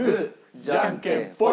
じゃんけんポイ。